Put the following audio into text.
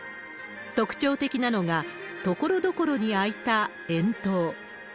特徴的なのが、ところどころに開いた円筒。